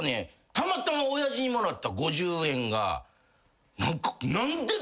たまたま親父にもらった５０円が。